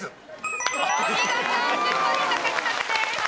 １０ポイント獲得です。